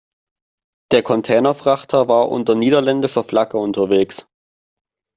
Der Containerfrachter war unter niederländischer Flagge unterwegs.